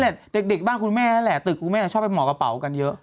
นั่นไงเด็กบ้านคุณแม่นั่นแหละตึกคุณแม่ชอบประกับหมอเยอะ